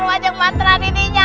masa lu ajak mantra adiknya